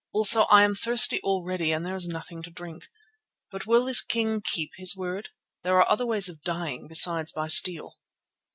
Also I am thirsty already and there is nothing to drink. But will this king keep his word? There are other ways of dying besides by steel."